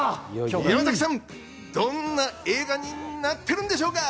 山崎さん、どんな映画になっているんでしょうか？